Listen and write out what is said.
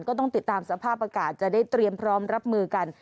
ก็ต้องติดตามสภาพอากาศจะได้เตรียมพร้อมรับมือกัน